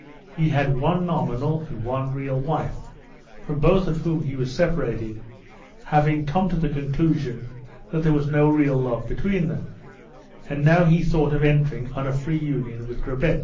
He had one nominal and one real wife, from both of whom he was separated, having come to the conclusion that there was no real love between them, and now he thought of entering on a free union with Grabetz.